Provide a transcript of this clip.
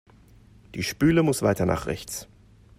Die Spüle muss weiter nach rechts.